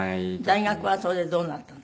大学はそれでどうなったの？